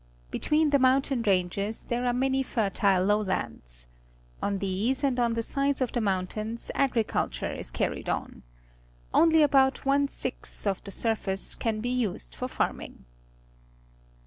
Between the mountain ranges there are many fertile lowlands. On these and on the sides of the mountains agriculture is carried on. Only about one sixth of the surface can be used for farming.